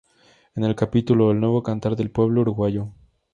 En el capítulo, "El nuevo cantar del pueblo uruguayo".